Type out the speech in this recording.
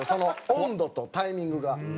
温度とタイミングが。